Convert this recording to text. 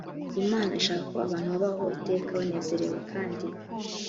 imana ishaka ko abantu babaho iteka banezerewe kandi